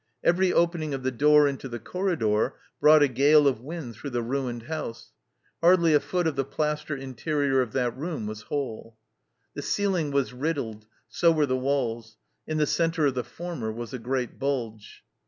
Every opening of the door into the corridor brought a gale of wind through the ruined house hardly a foot of the plaster interior of that room was whole. The ceiling was riddled, so were the walls ; in the centre of the former was a great bulge."